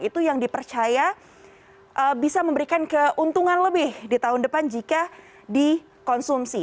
itu yang dipercaya bisa memberikan keuntungan lebih di tahun depan jika dikonsumsi